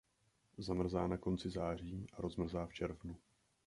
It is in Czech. Zamrzá na konci září a rozmrzá v červnu.